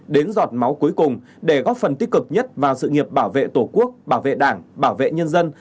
đến giọt máu cuối cùng để góp phần tích cực nhất vào sự nghiệp bảo vệ tổ quốc bảo vệ đảng bảo vệ nhân dân